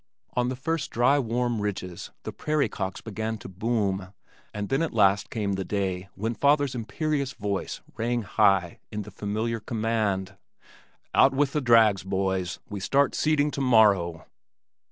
On the first dry warm ridges the prairie cocks began to boom, and then at last came the day when father's imperious voice rang high in familiar command. "Out with the drags, boys! We start seeding tomorrow."